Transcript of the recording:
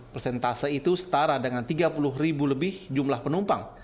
persentase itu setara dengan tiga puluh ribu lebih jumlah penumpang